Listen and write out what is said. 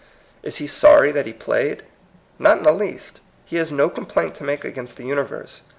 Is he sorry that he played? Not in the least. He has no complaint to make against the universe.